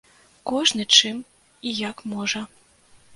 Кожны чым і як можа.